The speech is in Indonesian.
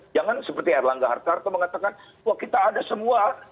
jangan seperti erlangga hartarto mengatakan wah kita ada semua